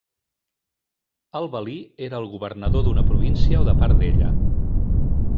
El valí era el governador d'una província o de part d'ella.